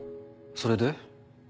それで？